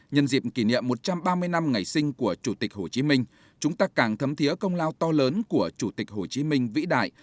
nhân dịp kỷ niệm một trăm ba mươi năm ngày sinh của chủ tịch hồ chí minh chúng ta càng thấm thiế công lao to lớn của chủ tịch hồ chí minh vĩ đại